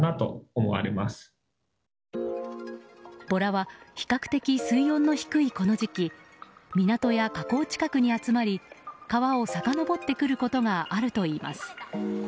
ボラは比較的水温の低いこの時期港や河口近くに集まり川をさかのぼってくることがあるといいます。